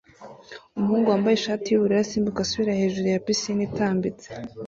Umuhungu wambaye ishati yubururu asimbuka asubira hejuru ya pisine itambitse